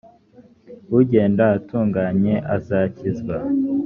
ugenda atunganye azakizwa